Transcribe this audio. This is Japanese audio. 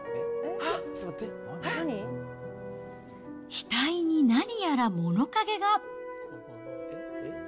ひたいに何やら物陰が。